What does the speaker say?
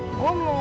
ini penting banget